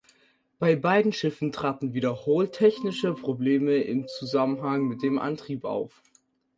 Bei beiden Schiffen traten wiederholt technische Probleme im Zusammenhang mit dem Antrieb auf.